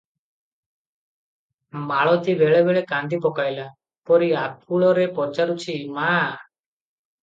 ମାଳତୀ ବେଳେ ବେଳେ କାନ୍ଦି ପକାଇଲା ପରି ଆକୁଳରେ ପଚାରୁଛି, "ମା!